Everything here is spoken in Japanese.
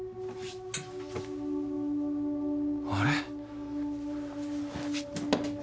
あれ？